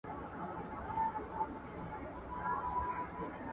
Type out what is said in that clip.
هغه خو ما